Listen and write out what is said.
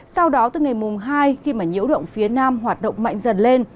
sau đó từ ngày hai khi nhiễu động phía nam hoạt động mạnh dần lên